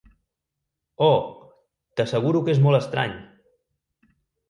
Oh, t'asseguro que és molt estrany!